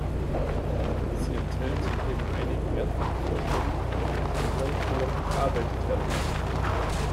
Sie enthält neben einigen wertvollen Vorschlägen andere, die noch überarbeitet werden müssen.